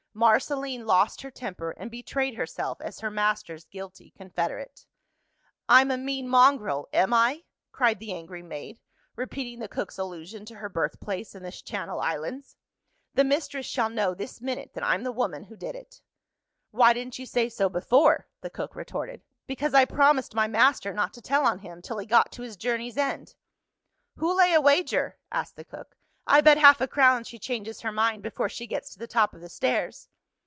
Marceline lost her temper; and betrayed herself as her master's guilty confederate. "I'm a mean mongrel am I?" cried the angry maid, repeating the cook's allusion to her birthplace in the Channel Islands. "The mistress shall know, this minute, that I'm the woman who did it!" "Why didn't you say so before?" the cook retorted. "Because I promised my master not to tell on him, till he got to his journey's end." "Who'll lay a wager?" asked the cook. "I bet half a crown she changes her mind, before she gets to the top of the stairs."